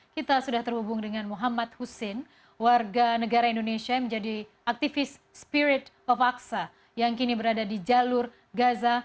kita sudah terhubung dengan muhammad husin warga negara indonesia yang menjadi aktivis spirit pepaksa yang kini berada di jalur gaza